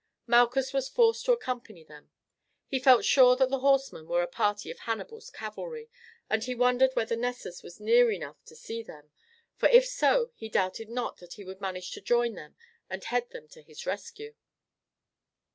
Malchus was forced to accompany them. He felt sure that the horsemen were a party of Hannibal's cavalry, and he wondered whether Nessus was near enough to see them, for if so he doubted not that he would manage to join them and lead them to his rescue.